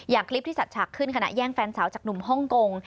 คลิปที่จัดฉากขึ้นขณะแย่งแฟนสาวจากหนุ่มฮ่องกง